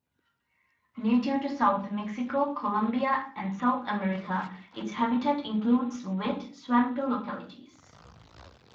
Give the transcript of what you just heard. Native to south Mexico, Colombia and South America, its habitat includes wet, swampy localities.